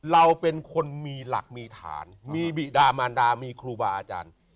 เราเป็นคนมีหลักมีฐานมีบิดามารดามีครูบาอาจารย์